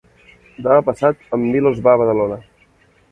Demà passat en Milos va a Badalona.